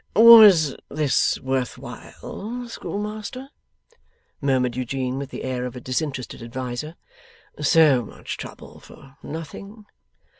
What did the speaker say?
'Was this worth while, Schoolmaster?' murmured Eugene, with the air of a disinterested adviser. 'So much trouble for nothing?